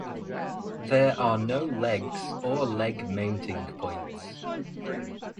There are no legs or leg mounting points.